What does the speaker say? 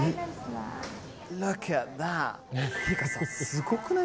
すごくない？